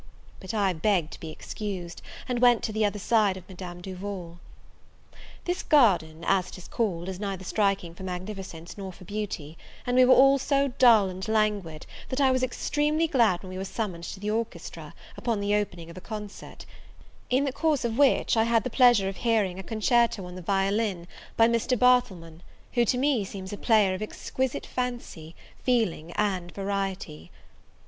But I begged to be excused, and went to the other side of Madame Duval. This Garden, as it is called, is neither striking for magnificence nor for beauty; and we were all so dull and languid, that I was extremely glad when we were summoned to the orchestra, upon the opening of a concert; in the course of which I had the pleasure of hearing a concerto on the violin by Mr. Barthelemon, who to me seems a player of exquisite fancy, feeling and variety.